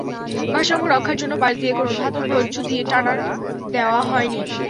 ভারসাম্য রক্ষার জন্য পাশ দিয়ে কোনো ধাতব রজ্জু দিয়ে টানা দেওয়া হয়নি।